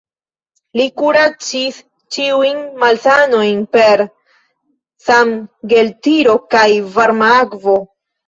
Li kuracis ĉiujn malsanojn per sangeltiro kaj varma akvo.